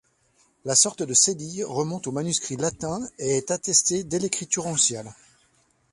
La sorte de cédille remonte aux manuscrits latins et est attestée dès l'écriture onciale.